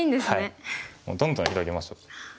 もうどんどん広げましょう。